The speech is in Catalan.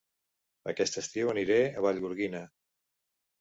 Aquest estiu aniré a Vallgorguina